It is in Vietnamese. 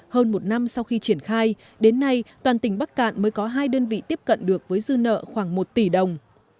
hơn một năm sau khi triển khai đến nay toàn tỉnh bắc cạn mới có hai đơn vị tiếp cận được với dư nợ khoảng một tỷ đồng